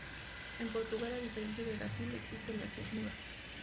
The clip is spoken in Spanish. En Portugal, a diferencia de Brasil, existe la "c muda".